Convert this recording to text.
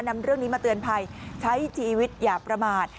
นำเรื่องนี้มาเตือนภัยใช้ชีวิตอย่าประมาท